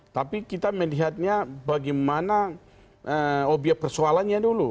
tapi kita melihatnya bagaimana obyek persoalannya dulu